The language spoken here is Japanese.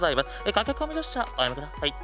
駆け込み乗車おやめ下さい。